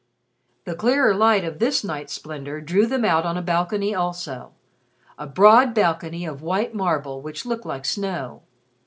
The clearer light of this night's splendor drew them out on a balcony also a broad balcony of white marble which looked like snow.